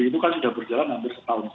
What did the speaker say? itu kan sudah berjalan hampir setahun